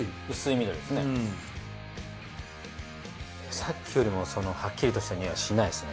さっきよりもそのはっきりとしたにおいはしないですね。